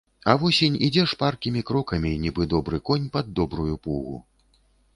А восень ідзе шпаркімі крокамі, нібы добры конь пад добрую пугу.